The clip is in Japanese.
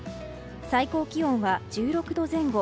最高気温は１６度前後。